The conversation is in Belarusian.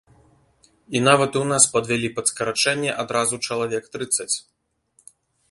І нават і ў нас падвялі пад скарачэнне адразу чалавек трыццаць.